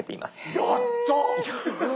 やった！え！